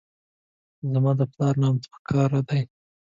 زما پلار نامتو ښکاري دی.